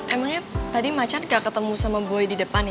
emangnya tadi macan gak ketemu sama buoy di depan ya